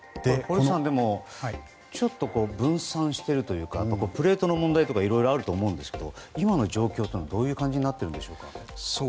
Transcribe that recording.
ちょっと分散しているというかプレートの問題とかいろいろあると思いますが今の状況はどういう感じですか。